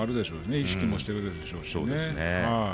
意識もしてるでしょう。